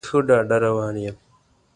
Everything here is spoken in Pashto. زه ښه ډاډه روان یم.